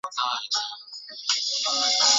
台湾萨盲蝽为盲蝽科萨盲蝽属下的一个种。